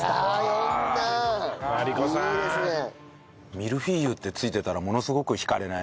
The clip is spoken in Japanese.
「ミルフィーユ」って付いてたらものすごく引かれない？